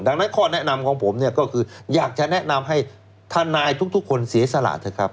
ดังนั้นข้อแนะนำของผมเนี่ยก็คืออยากจะแนะนำให้ทนายทุกคนเสียสละเถอะครับ